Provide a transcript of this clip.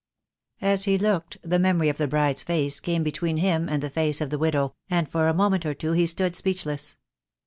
As he looked the memory of the bride's face came between him and the face of the widow, and for a mo ment or two he stood speechless.